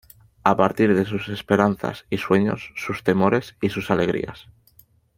A partir de sus esperanzas y sueños, sus temores y sus alegrías.